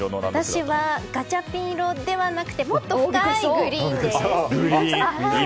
私はガチャピン色ではなくてもっと深いグリーンです。